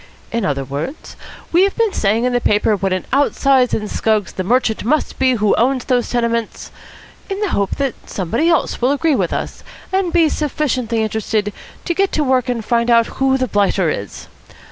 In other words, we've been saying in the paper what an out size in scugs the merchant must be who owns those tenements, in the hope that somebody else will agree with us and be sufficiently interested to get to work and find out who the blighter is.